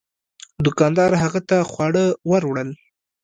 دوکاندار هغه ته خواړه ور وړل.